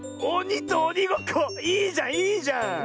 おにとおにごっこ⁉いいじゃんいいじゃん！